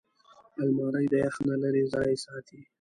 الماري د یخ نه لېرې ځای ساتي